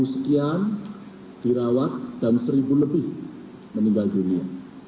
dua sekian dirawat dan satu lebih meninggal dunia